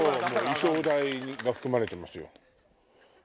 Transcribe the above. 衣装代が含まれてますよ。